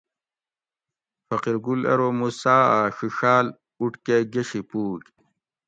فقیر گل ارو موسیٰ اۤ ڛِڛاۤل اوٹکۤہ گشی پوگ